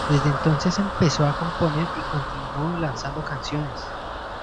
Desde entonces empezó a componer y continuó lanzando canciones.